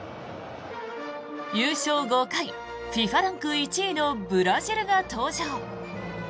優勝５回、ＦＩＦＡランク１位のブラジルが登場。